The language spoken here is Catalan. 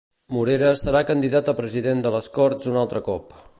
Morera serà candidat a president de les Corts un altre cop.